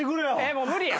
もう無理や。